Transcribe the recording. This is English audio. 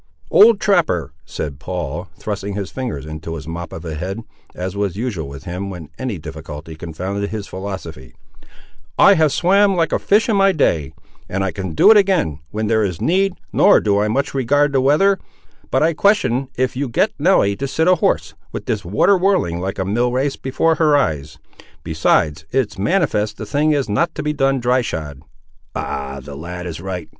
"Old trapper," said Paul, thrusting his fingers into his mop of a head, as was usual with him, when any difficulty confounded his philosophy, "I have swam like a fish in my day, and I can do it again, when there is need; nor do I much regard the weather; but I question if you get Nelly to sit a horse, with this water whirling like a mill race before her eyes; besides, it is manifest the thing is not to be done dry shod." "Ah, the lad is right.